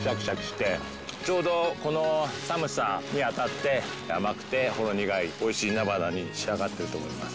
ちょうどこの寒さに当たって甘くてほろ苦いおいしい菜花に仕上がってると思います。